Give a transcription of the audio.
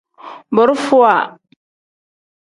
Borofowa.